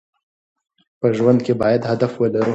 په ژوند کې باید هدف ولرو.